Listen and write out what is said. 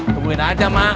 tungguin aja mak